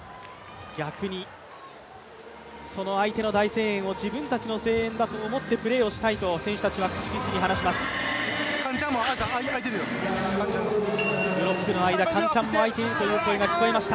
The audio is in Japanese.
逆にその相手の大声援を自分たちの声援だと思ってプレーをしたいと選手たちは口々に話します。